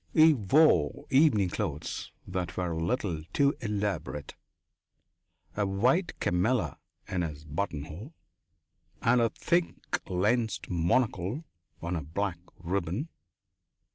He wore evening clothes that were a little too elaborate, a white camellia in his buttonhole, and a thick lensed monocle on a black ribbon.